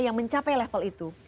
yang mencapai level itu